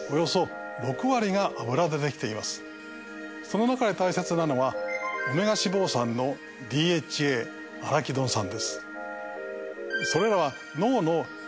その中で大切なのはオメガ脂肪酸のＤＨＡアラキドン酸です。